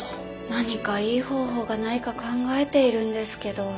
何かいい方法がないか考えているんですけど。